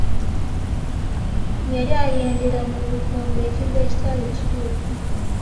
Yali ayendera mu bufumbo ekintu ekitali kituufu.